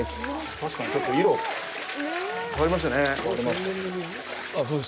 確かに、ちょっと色が変わりましたね。